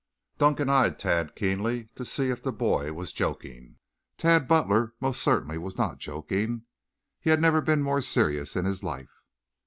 Dunkan eyed Tad keenly to see if the boy was joking. Tad Butler most certainly was not joking. He had never been more serious in his life.